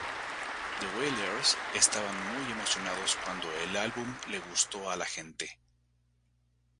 The Wailers estaban muy emocionados cuando el álbum le gustó a la gente.